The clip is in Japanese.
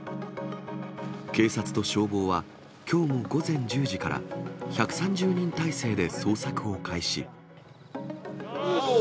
警察と消防は、きょうも午前１０時から、１３０人態勢で捜索を開始。